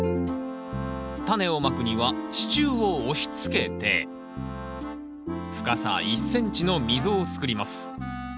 タネをまくには支柱を押しつけて深さ１ｃｍの溝を作ります。